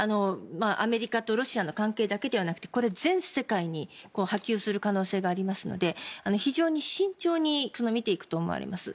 アメリカとロシアの関係だけではなくてこれ、全世界に波及する可能性がありますので非常に慎重に見ていくと思われます。